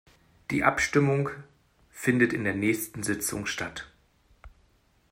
Die Abstimmung findet in der nächsten Sitzung statt.